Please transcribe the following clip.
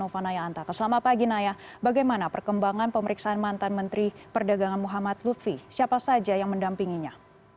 selamat pagi naya bagaimana perkembangan pemeriksaan mantan menteri perdagangan muhammad lutfi siapa saja yang mendampinginya